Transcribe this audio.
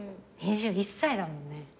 ２１歳だもんね。